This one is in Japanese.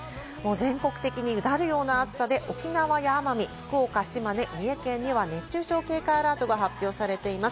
全国的にうだるような暑さで、沖縄や奄美、福岡、島根、三重県には熱中症警戒アラートが発表されています。